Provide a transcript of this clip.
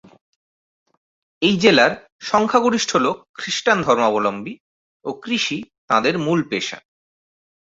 এই জেলার সংখ্যাগরিষ্ঠ লোক খ্রীষ্টান ধর্মাবলম্বী ও কৃষি তাঁদের মূল পেশা।